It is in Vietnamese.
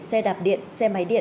xe đạp điện xe máy điện